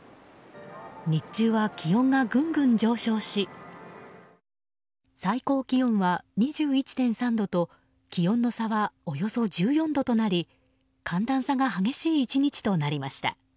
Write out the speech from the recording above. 日中は気温がぐんぐん上昇し最高気温は２１．３度と気温の差はおよそ１４度となり寒暖差が激しい１日となりました。